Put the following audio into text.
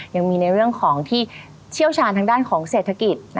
ยังมีในเรื่องของที่เชี่ยวชาญทางด้านของเศรษฐกิจ